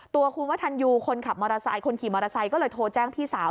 ตัวคุณวัฒนยูคนขับมอเตอร์ไซค์คนขี่มอเตอร์ไซค์ก็เลยโทรแจ้งพี่สาว